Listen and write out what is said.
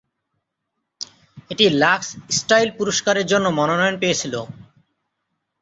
এটি Lux Style পুরস্কারের জন্য মনোনয়ন পেয়েছিল।